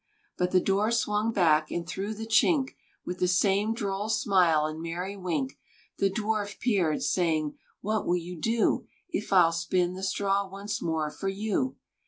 But the door swung back, and through the chink, With the same droll smile and merry wink, The dwarf peered, saying, "What will you do If I'll spin the straw once more for you?"